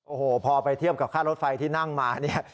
โอ้โหพอไปเทียบกับค่ารถไฟที่นั่งมาเนี่ย